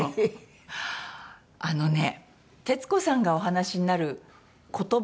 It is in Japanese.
あのね徹子さんがお話しになる言葉？